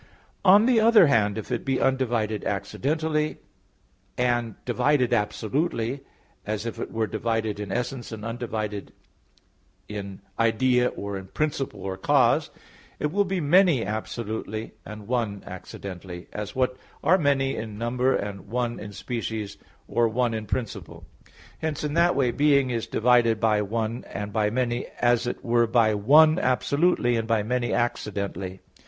On the other hand, if it be undivided accidentally, and divided absolutely, as if it were divided in essence and undivided in idea or in principle or cause, it will be "many" absolutely and "one" accidentally; as what are "many" in number and "one" in species or "one" in principle. Hence in that way, being is divided by "one" and by "many"; as it were by "one" absolutely and by "many" accidentally.